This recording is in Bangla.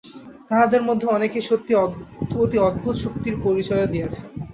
তাঁহাদের মধ্যে অনেকে সত্যই অতি অদ্ভুত শক্তির পরিচয়ও দিয়াছেন।